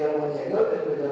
omicah juga cia